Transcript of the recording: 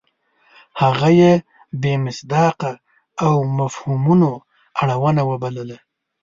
هغه یې بې مصداقه او مفهومونو اړونه وبلله.